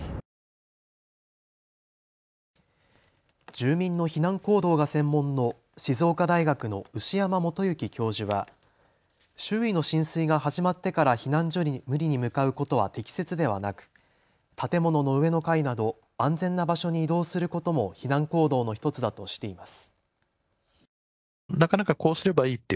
住民の避難行動が専門の静岡大学の牛山素行教授は周囲の浸水が始まってから避難所に無理に向かうことは適切ではなく、建物の上の階など安全な場所に移動することも避難行動の１つだとしています。